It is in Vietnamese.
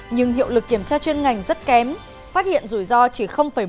nhưng hiệu lực kiểm tra chuyên ngành rất kém phát hiện rủi ro chỉ một mươi bốn